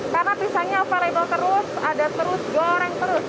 karena pisangnya available terus ada terus goreng terus